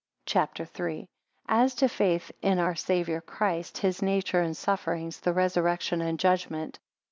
CHAPTER III. 1 As to faith in our Saviour Christ; his nature and sufferings, the resurrection and judgment.